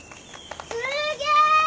すげえ！